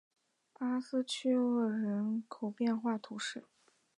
阿斯屈厄人口变化图示